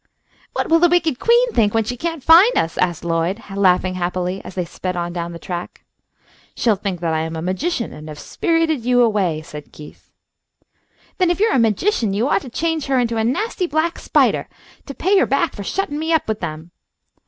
"What will the wicked queen think when she can't find us?" asked Lloyd, laughing happily, as they sped on down the track. "She'll think that I am a magician and have spirited you away," said Keith. "Then if you are a magician you ought to change her into a nasty black spidah, to pay her back fo' shuttin' me up with them!"